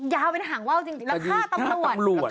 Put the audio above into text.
ยาวเป็นหังว่าวและฆ่าตำรวจ